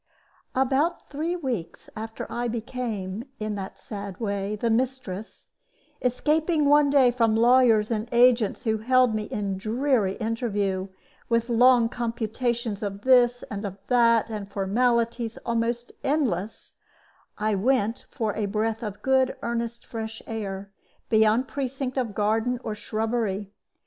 About three weeks after I became, in that sad way, the mistress, escaping one day from lawyers and agents, who held me in dreary interview, with long computations of this and of that, and formalities almost endless, I went, for a breath of good earnest fresh air, beyond precinct of garden or shrubbery.